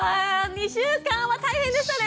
２週間は大変でしたね。